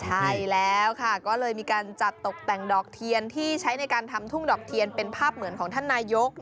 ใช่แล้วค่ะก็เลยมีการจัดตกแต่งดอกเทียนที่ใช้ในการทำทุ่งดอกเทียนเป็นภาพเหมือนของท่านนายก